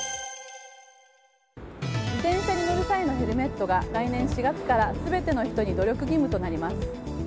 自転車に乗る際のヘルメットが来年４月から全ての人に努力義務となります。